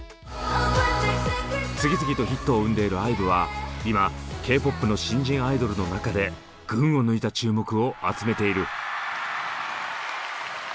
次々とヒットを生んでいるＩＶＥは今ＫーＰＯＰの新人アイドルの中で群を抜いた注目を集めている。